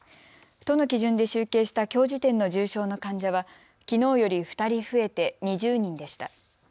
都の基準で集計したきょう時点の重症の患者はきのうより２人増えて２０人でした。